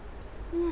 うん。